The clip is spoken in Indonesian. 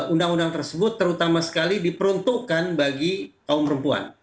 undang undang tersebut terutama sekali diperuntukkan bagi kaum perempuan